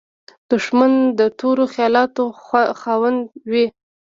دښمن د تورو خیالاتو خاوند وي